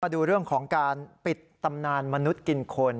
ดูเรื่องของการปิดตำนานมนุษย์กินคน